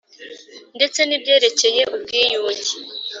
ndetse n'ibyerekeye ubwiyunge.